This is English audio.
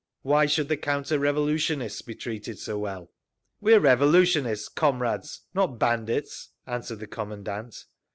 "Why should the counter revolutionists be treated so well?" "We are revolutionists, comrades, not bandits," answered the commandant.